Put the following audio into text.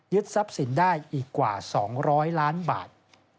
ทรัพย์สินได้อีกกว่า๒๐๐ล้านบาท